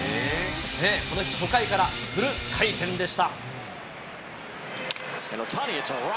この日、初回からフル回転でした。